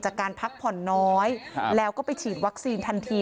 จากการพักผ่อนน้อยแล้วก็ไปฉีดวัคซีนทันที